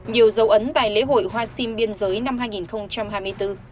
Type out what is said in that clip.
nhiều dấu ấn tại lễ hội hoa sim biên giới năm hai nghìn hai mươi bốn